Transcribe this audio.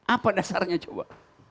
apa dasarnya coba